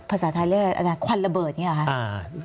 ภาษาไทยเรียกว่าอะไรอาจารย์ควันละเบิดเหรอครับ